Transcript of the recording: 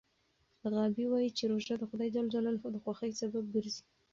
غابي وايي چې روژه د خدای د خوښۍ سبب ګرځي.